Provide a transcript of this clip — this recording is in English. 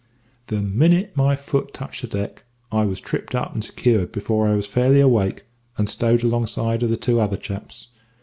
"The minute my foot touched the deck, I was tripped up and secured before I was fairly awake, and stowed alongside of the two other chaps.